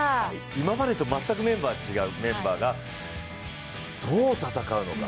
今までと全く違うメンバーがどう戦うのか。